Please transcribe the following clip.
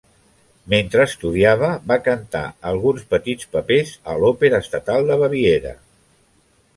Mentre estudiava, va cantar alguns petits papers a l'Òpera Estatal de Baviera.